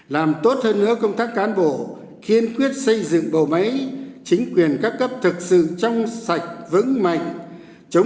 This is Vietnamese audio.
làm tốt hơn nữa công tác cán bộ kiên quyết xây dựng bộ máy chính quyền các cấp thực sự trong sạch vững mạnh